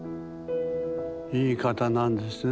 いい方なんですね。